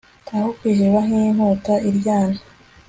aho kwiheba nkinkota iryana